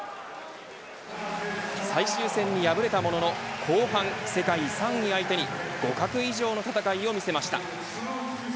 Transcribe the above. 最終戦に敗れたものの、後半世界３位相手に互角以上の戦いを見せました。